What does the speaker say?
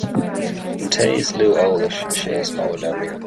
An té is lú eolais is é is mó a labhraíonn